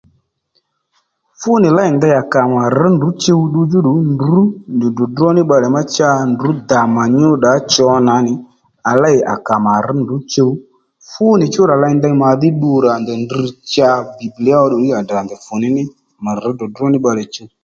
Fú nì lêy ndey à kà mà rř ndrǔ chuw ddiydhò ndrǔ nì dròdró ní bbalè má cha ndrǔ dà mà nyúddǎ cho nà nì à léy à kà mà rř ndrǔ chuw fúnì chú rà ley ndey màdhí ddu rà ndèy drr cha bibiliya óddù ddí à tdrà ndèy fùní ní m`a rř dròdró ní bbalè chuw